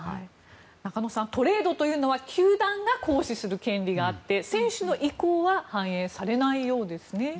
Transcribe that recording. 中野さんトレードというのは球団が行使する権利があって選手の意向は反映されないようですね。